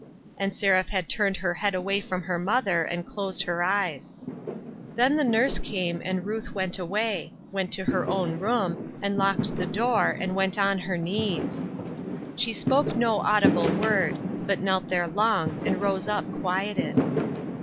And Seraph had turned her head away from her mother, and closed her eyes. Then the nurse came, and Ruth went away —■ went to her own room, and locked the door, and went on her knees. She spoke no audible word ; but knelt there long, and rose up quieted.